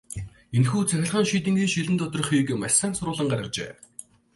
Энэхүү цахилгаан чийдэнгийн шилэн доторх хийг маш сайн соруулан гаргажээ.